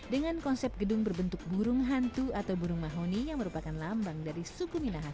dengan konsep gedung berbentuk burung hantu atau burung mahoni yang merupakan lambang dari suku minahasa